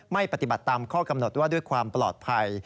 ไม่ปฏิบัติตามข้อกำหนดว่าด้วยความปลอดภัย